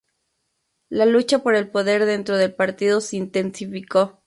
La lucha por el poder dentro del partido se intensificó.